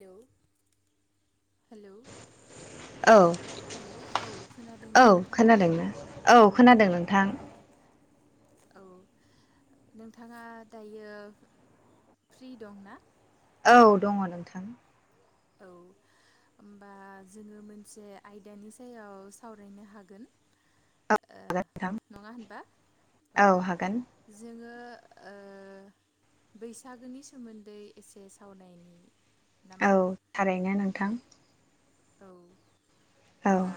Hello hello औ hello औ खोनादोंना नोंथा औ खोनादोंना खोनादों। औ खोनादों नोंथां। औ नोंथाङा दायो फ्रि दं ना? औ दङ नोंथां। औ होमबा जोङो मोनसे आयदानि सायाव सावरायनो हागोन। औ ओ नोंथां नङा होनबा औ जोङो ओ बैसागोनि सोमोन्दै एसे सावनायनि औ नामा? थारैनो नोंथां। औ औ होमबा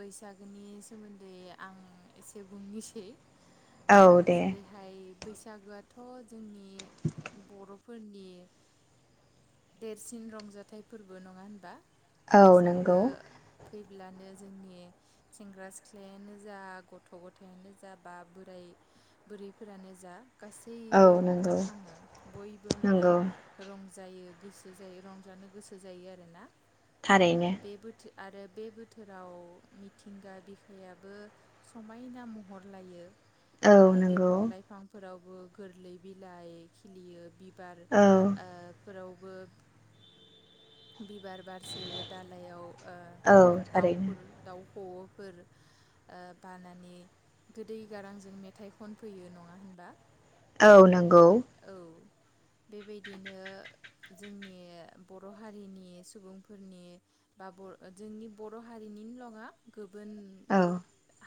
बैसाग नि सोमोन्दै आं एसे बुंनोसै ओ औ दे जेरैहाय बैसा सागोआथ' [unintelligible] फोरनि देरसिन रंजाथाइफोरबो नङा होनबा? औ बैसागो नंगौ फै ब्लानो जोंनि सेंग्रा सिख्लायानो जा गथ' गथायानो जा बा बोराय बुरैफोरानो जा औ गासैबो नंगौ रंजाखाङो बयबो माने नंगौ रंजायो। गोसो जायो रंजानो गोसो जायो आरोना ओ थारैनो। बे बोथोर आरो बे बोथोराव मिथिंगा बिखायाबो समायना महर लायो औ नंगौ बिफां लाइफांफोराव गोरलै बिलाइ खिलियो औ ओ फोराव बिबार बारो दालायाव औ थारैनो दाउफोर दाउ खवौ'फोर बानानै गोदै गारांजों मेथाइ खनफैयो नङा होनबा औ नंगौ औ। बेबायदिनो जोंनि बर' हारिनि सुबुंफोरनि बा ब ओ जोंनि बर' हारिनिल नङा गु बोन औ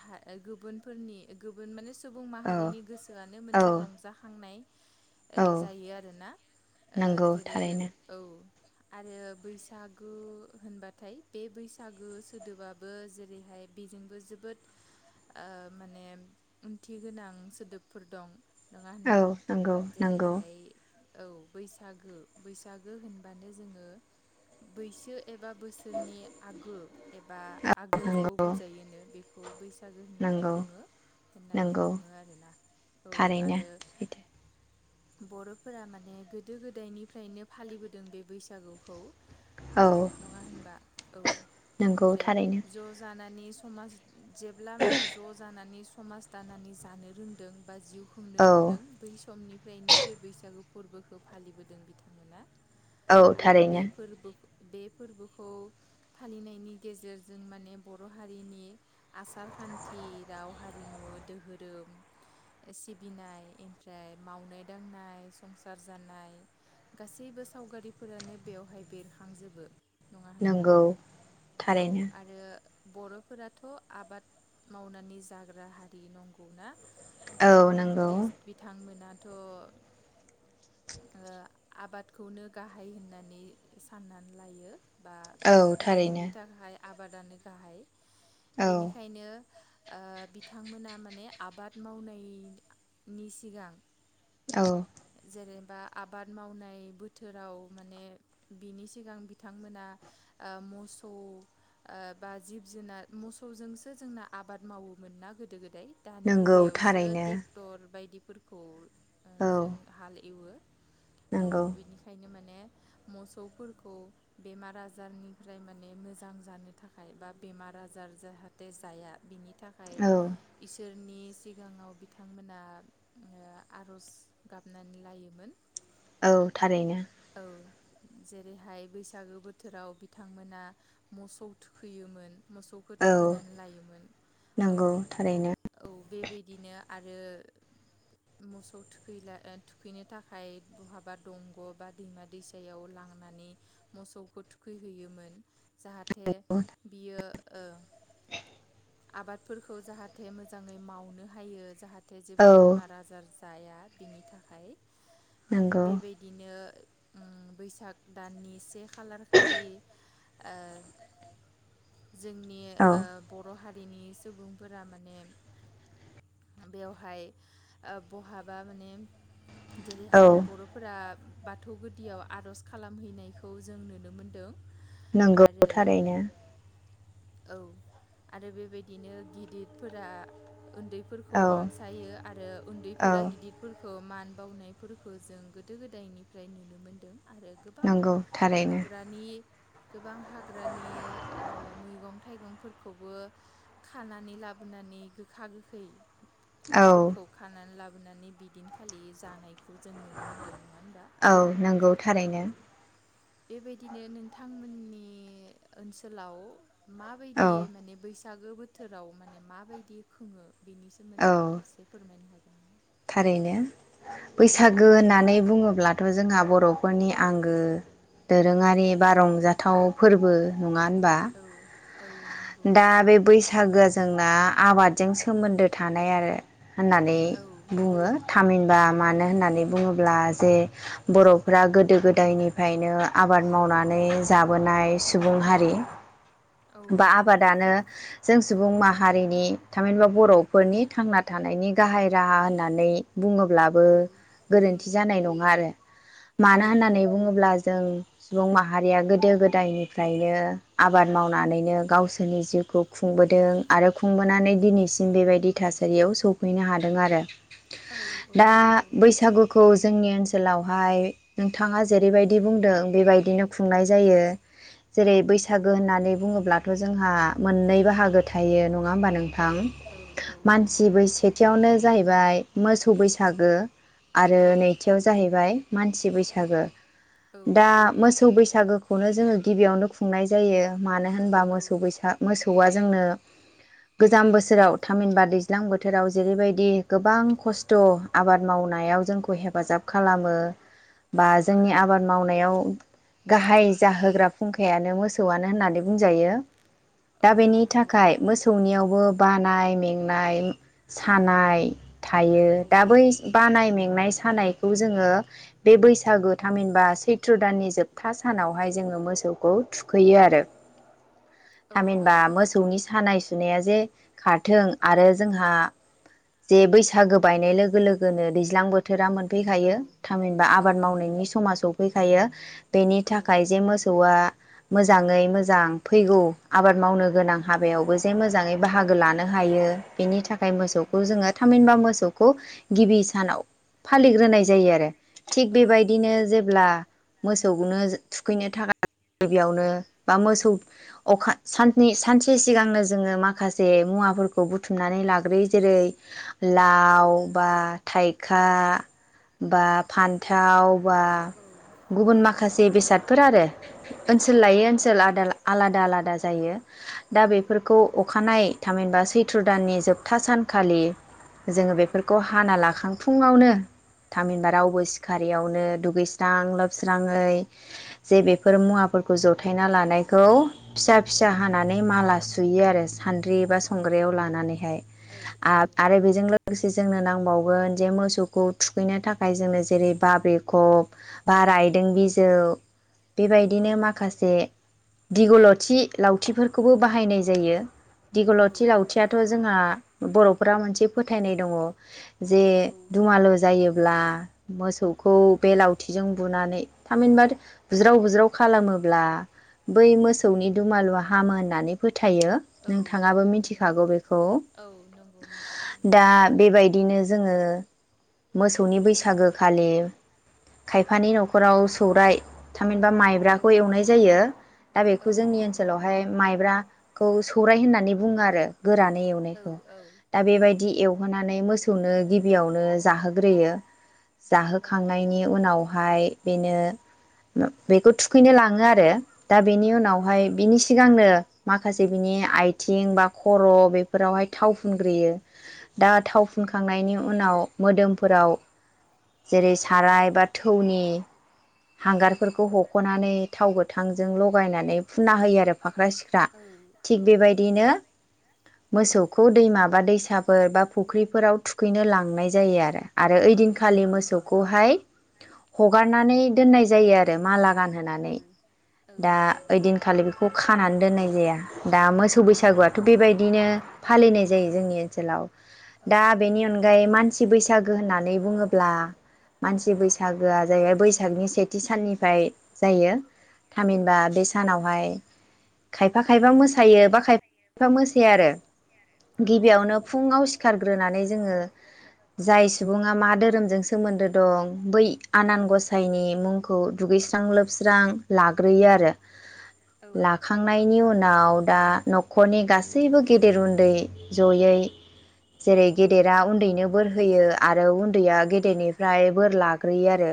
हा ओ गुबुनफोरनि ओ गुबुन माने सुबुं औ माहारिनि गोसोआनो औ मोनसे रंजाखांनाय। ओ औ जायो आरोना ओ नंगौ जेरै थारैनो औ। आरो बैसागु होनबाथाय बे बैसागु सोदोबाबो जेरैहाय बेजोंबो जोबोद ओ माने ओंथि गोनां सोदोबफोर दं। नङा औ होनबा? नंगौ नंगौ जेरैहाय। औ बैसागो बैसागो होनबानो जोङो बैसो एबा बोसोरनि आगो एबा आगोलखौ नंगौ बुजायोनो बेखौ बैसागो होननानै नंगौ बुङो होननानै नंगौ बुङो आरोना औ थारैनो आरो। सैथो बर'फोरा माने गोदो गोदायनिफ्रायनो फालिबोदों बे बैसागुखौ। औ नङा होनबा औ नंगौ ओमफ्राय थारैनो ज' जानानै। समाज जेब्ला माने ज' जानानै स समाज दानानै जानो रोंदों बा जिउ खुंनो औ रोंदों। समनिफ्रायनो बे बैसागु फोरबोखौ फालिबोदों बिथांमोना। औ आरो बे थारैनो फोरबो बे फोरबोखौ फालिनायनि गेजेरजों माने बर' हारिनि आसार खान्थि राव हारिमु दोहोरोम सिबिनाय ओमफ्राय मावनाय दांनाय संसार जानाय गासैबो सावगारिफोरानो बेवहाय बेरखांजोबो। नङा होनबा नंगौ औ थारैनो आरो। बर'फोराथ' आबाद मावनानै जाग्रा हारि नंगौना? औ नोंगौ। मोनाथ' ओ आबादखौनो गाहाय होननानै साननानै लायो। बा औ थारैनो बिथांमोननि थाखाय। आबादानो गाहाय। औ बिनिखायनो ओ बिथांमोना माने आबाद मावनायनि। नि सिगां। औ। जेरेबा आबाद मावनाय बोथोराव माने बिनि सिगां बिथांमोना ओ मोसौ बा जिब जुनार मोसौजोंसो जोंना आबाद मावोमोन ना गोदो गोदाय। दानि नंगौ मुगायावसो थारैनो ट्रेक्टर बायदि फोरखौ औ जों हाल एवो। औ नंगौ बेनिखायनो माने माने मोसौफोरखौ बेमार आजारनिफ्राय माने मोजां जानो थाखाय बा बेमार आजार जाहाथे जाया बिनि नि थाखाय औ इसोर नि सिगाङाव बिथांमोना ओ आर'ज गाबनानै लायोमोन। औ थारैनो। औ जेरैहाय बैसागो बोथोराव बिथांमोना मोसौ थुखैयोमोन। मोसौखौ औ थुखैनानै लायोमोन औ नंगौ थारैनो औ। बेबायदिनो आरो मोसौ थु थुखैला थुखैनो थाखाय बहाबा दंग' बा दैमा दैसायाव लांनानै मोसौखौ थुखैहैयोमोन। जाहाथे बियो ओ आबादफोरखौ जाहाथे मोजाङै मावनो हायो जाहाथे जेबो औ बेमार आजार जाया बिनि थाखाय आरो नंगौ बेबायदिनो उम बैसाग दाननि से खालार खालि ओ जोंनि ओ औ बर' हारि। बिनि सुबुंफोरा माने बेयावहाय ओ बहाबा माने औ जेरैहाय बर'फोरा बाथौ गुदियाव आर'ज खालामहैनायखौ जों नुनो मोनदों। नंगौ आरो थारैनो। औ आरो बेबायदिनो गिदिरफोरा उन्दैफोरखौ औ अनसायो आरो औ उन्दैफोरा गिदिर मान बावनायफोरखौ जों गोदो गोदायनिफ्राय नुनो मोनदों। आरो गोबां नंगौ थारैनो हाग्रानि गोबां हाग्रानि ओ मैगं मैगं थाइगंफोरखौबो खानानै लाबोनानै गोखा गोखै औ फोरखौ खानानै लाबो [unintelligible] दिनखालि जानाय खौ जों नुनो मोनदों नङा होनबा औ नंगौ औ थारैनो बेबायदिनो नोंथांमोननि ओनसोलाव माबायदि औ माने बैसाग सागो बोथोराव माने माबायदि खोङो बिनि औ सोमोन्दै एसे फोरमायनो हागोन थारैनो ना? बैसागो औ होननानै बुङोब्ला थ' जोंहा बर'फोरनि आंगो दोरोङारि बा रंजाथाव फोरबो नङा होनबा औ औ नंगौ दा बे बैसागोआ जोंना आबादजों सोमोन्दो थानाय आरो होननानै औ बुङो थामिनबा औ मानो होननानै औ बुङोब्ला जे बर'फ्रा गोदो गोदायनिफ्रायनो आबाद मावनानै जाबोनाय सुबुं हारि औ बा नंगौ आबादानो जों सुबुं मा हारिनि थामहिनबा बर'फोरनि थांना थानायनि गाहाय राहा होननानै बुङोब्लाबो औ औ गोरोन्थि जानाय नङा आरो औ मानो होननानै नंगौ बुङोब्ला जों सुबुं माहारिया गोदो गोदायनिफ्रायनो आबाद मावनानै बिदिनो गावसोरनि जिउखौ खुंबोदों आरो खुंबोनानै दिनैसिम बेबायदि थासारियाव सौफैनो हादों आरो औ औ दा नंगौ बैसागुखौ जोंनि ओनसोलावहाय नोंथाङा जेरैबायदि बुंदों बेबायदि बिदिनो औ खुंनाय जायो जेरै औ बैसागु होननानै बुङो थ' जोंहा मोननै बाहागो थायो नंङा होमबा औ नोंथां औ नंगौ मानसिबो सेथियावनो जाहैबाय मोसौ बैसागो आरो औ नैथियाव जाहैबाय मानसि बैसागो औ दा मोसौ बैस सागुखौनो जोङो गिबियावनो खुंनाय जायो मानो होनबा औ मो मोसौ बैसा मोसौआ जोंनो गोजाम बोसोराव थामिनबा दैज्लां बोथोराव जेरैबायदि गोबां खस्थ आबाद मावनायाव जोंखौ हेफाजाब खालामो बा औ जोंनि आबाद मावनायाव गाहाय जाहोग्रा फुंखायानो मोसौआनो होननानै बुंजायो दा बेनि नंगौ थाखाय मोसौनियावबो बानाय मेंनाय सानाय थायो औ दा बै बानाय औ मेंनाय सानायखौ जोङो बे बैसागु थामहिनबा सैथ्र दाननि जोबथा सानावहाय जोङो मोसौखौ थुखैयो आरो औ थामहिनबा नंगौ मोसौनि सानाय सुनाया जे खारथों आरो जोंहा जे बैसागो बायनाय लोगो लोगोनो दैज्लां बोथोरा मोन औ फैखायो थामहिनबा औ नंगौ औ आबाद नंगौ मावनायनि समा सफै खायो बेनि औ थाखाय जे मोसौआ मोजाङै मोजां फैगौ आबाद मावनो गोनां हाबायावबो जे मोजाङै बाहागो लानो हायो बेनि थाखाय औ मोसौखौ नंगौ जोङो थामहिनबा मोसौखौ गिबि सानाव फालिग्रोनाय जायो आरो थिग बेबायदिनो जेब्ला मोस सौनो थुखैनो थाखाय गिबियावनो बा मोसौ अखा सान सानसे सिगांनो जोङो माखासे मुवाफोरखौ बुथुमनानै लाग्रोयो जेरै लाव बा थाइखा बा फान्थाव बा औ औ गुबुन माखासे से बेसादफोर आरो औ नंगौ औ ओनसोल लायो ओनसोल आदाला आलादा आलादा जायो दा बेफोरखौ अखानाय थामहिनबा सैथ थ्र दाननि जोबथा सानखालि जोङो बेफोरखौ हाना लाखां फुङावनो थामहिनबा रावबो सिखारियावनो दुगै स्रां लोबस्राङै जे बेफोर मुवाफोरखौ जथायना लानाय खौ फिसा फिसा हानानै माला सुयो आरो सान्द्रि बा संग्रायाव लानानैहाय आ आरो बेजों लोगोसे जोंनो नांबावगोन जे मोसौखौ थुखैनो थाखाय जोङो जेरै बाब्रेखब बा रायदों बिजौ बेबायदिनो माखासे दिगलथि लावथिफोरखौबो बाहायनाय जायो औ दिगलथि औ लावथियाथ नंगौ जोंहा बर [unintelligible] मोनसे फोथायनाय दङ जे औ दुमालु जायो ब्ला मोसौखौ बेलावथिजों बुनानै थामहिनबा बुज्राव बुज्राव खालामोब्ला बै औ मोसौनि दुमालुआ हामो होननानै फो फोथायो औ नोंथाङाबो औ मिथिखागौ नंगौ बेखौ औ नंगौ मिथियो दा नोंथां। बेबायदिनो जोङो मोसौनि बैसागोखालि खायफानि नखराव सौराय औ थामहिनबा औ माइब्राखौ एवनाय जायो। दा औ बेखौ जोंनि नंगौ। ओनसोलावहाय माइब्रा ना खौ सौराय होननानै बुङो आरो। गोरानै औ एवनायखौ औ दा औ बेबायदि एवहोनानै मोस खौनो गिबियावनो जाहोग्रोयो। औ जाहोखांनायनि उनावहाय बेनो बेखौ थुखैनो लाङो आरो। दा बेनि उनावहाय बिनि सिगांनो माखासे बिनि आथिं बा खर बेफोरावहाय थाव फुनग्रोयो दा थाव फुनखांनायनि उनाव मोदोमफोराव जेरै साराय बा थौनि हांगारफोरखौ हखनानै थाव गोथां ज जों लगायनानै फुना होयो आरो फाख्रा सिख्रा थिग औ नंगौ। बेबायदिनो मोसौ खु दैमा बा दैसाबो बा फुख्रिफोराव थुखैनो लांनाय जायो आरो आरो ओइदिनखालि मोसौखौहाय हगारनानै दोननाय जायो आरो माला गानहोनानै। दा औ ओइदिनखालि बेखौ खानानै दोननाय जाया। दा मोसौ बैसागुआथ बेबायदिनो फालिनाय जायो जोंनि ओनसोलाव दा औ बेनि अनगायै मानसि बैसागो होननानै बुङोब्ला मानसि बैसागोआ जाहैबाय बैसागनि सेथि साननिफ्राय जायो। थामहिनबा बे सानावहाय खायफा खायफा मोसायो बा खायफा खायफा मोसाया आरो औ गिबियावनो फुङाव सिखारग्रोनानै जोङो जाय सुबुङा मा धोरोमजों सोमोन्दो दं बै आनान गसायनि मुंखौ दुगैस्रां लोबस ज्रां लाग्रोयो आरो लाखांनायनि उन उनाव दा नखरनि गासैबो गेदेर उन्दै जयै जेरै गेदेरा उन्दैनो बोर होयो आरो उन्दैया गेदेरनिफ्राय बोर लाग्रोयो आरो।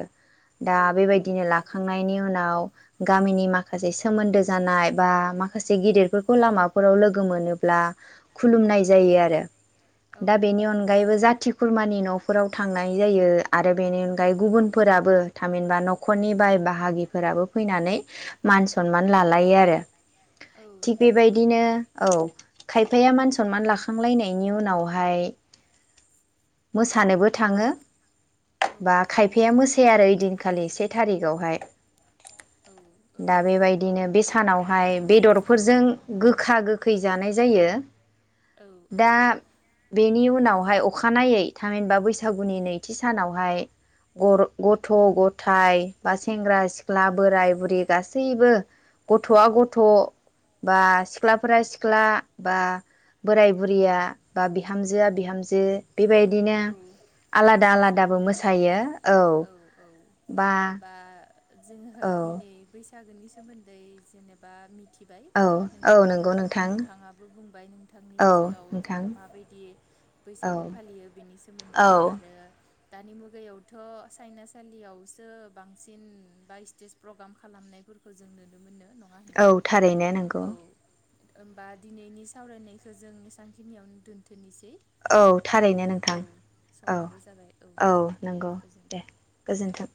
दा औ बेबायदिनो लाखांनायनि उनाव गामिनि माखासे सोमोन्दो जानाय बा माखासे गिदिरफोरखौ लामाफोराव लोगो मोनोब्ला खुलुमनाय जायो आरो। दा बेनि अनगायैबो जाथि खुरमानि नफोराव थांनाय जायो आरो बेनि अनगायै गुबुनफोराबो थामहिनबा नखरनि बाय बाहागिफोर फैनानै मान सनमान लालायो आरो औ थिग नंगौ बेबायदिनो औ खाय फाया मान सनमान लाखांलायनायनि उनावहाय मोसानोबो थाङो औ बा खायफाया मोसाया आरो इदिन खालि से थारिगावहाय। औ दा बेबायदिनो बे सानावहाय बेदरफोरजों गोखा गोखै जानाय जायो। औ दा औ बेनि उनाव हाय अखानायै थामहिनबा बैसागुनि नैथि सानावहाय गर गथ' गथाय बा सेंग्रा सि ख्ला बोराय बुरि गासैबो गथ'आ गथ' बा सिख्लाफोरा सिख्ला बा बोराय बुरैया बा बिहामजोआ बिहामजो बेबायदिनो औ आलादा आलादाबो मोसाहैयो आरोना मोसायो औ बा होमबा जोङो औ दिनै बै सागोनि सोमोन्दै जेनेबा मि थिबाय औ औ नोंथाङानो नंगौ बुं नोंथां नोंथाङाबो बुंबाय नोंथांनि औ ओनसोलाव जा नोंथां माबायदि औ बैसागो फालियो सोमोन्दै औ आरो दानि मुगायावथ' सायनासालियावसो बांसिन बा स्टेज प्रग्राम खालामनायफोरखौ जों नुनो मोनो। नङा औ होनबा थारैनो नंगौ। औ होमबा दिनैनि सावरायनायखौ जों एसां खिनियावनो दोनथ'नोसै। औ थारैनो नों थां औ औ समाबो जाबाय औ दे नंगौ गोजोन्थों दे गोजोन्थों।